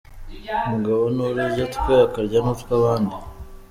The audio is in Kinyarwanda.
“umugabo ni urya utwe akarya n’utw’abandi”.